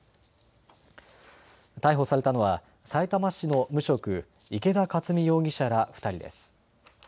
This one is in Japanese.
逮捕されたのは、さいたま市の無職、池田勝己容疑者ら２人です。